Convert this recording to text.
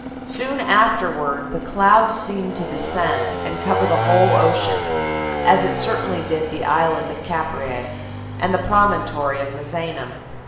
Soon afterward, the cloud seemed to descend, and cover the whole ocean; as it certainly did the island of Capreae, and the promontory of Misenum.